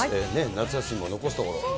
夏休みも残すところ